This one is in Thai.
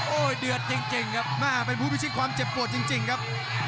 โอ้โหเดือดจริงครับแม่เป็นผู้พิชิตความเจ็บปวดจริงครับ